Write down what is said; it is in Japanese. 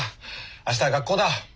明日は学校だ。